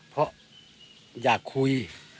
เพราะอยากคุย